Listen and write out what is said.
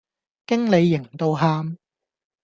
經理型到喊